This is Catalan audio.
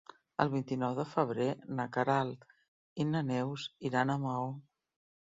El vint-i-nou de febrer na Queralt i na Neus iran a Maó.